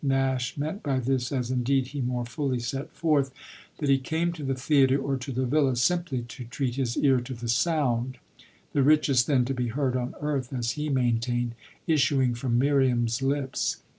Nash meant by this, as indeed he more fully set forth, that he came to the theatre or to the villa simply to treat his ear to the sound the richest then to be heard on earth, as he maintained issuing from Miriam's lips.